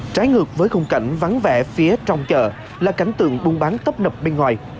trái ngược với khung cảnh vắng vẻ phía trong chợ là cảnh tượng buôn bán tấp nập bên ngoài